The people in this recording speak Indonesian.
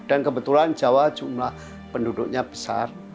dan kebetulan jawa jumlah penduduknya besar